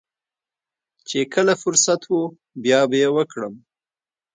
چې کله فرصت و بيا به يې وکړم.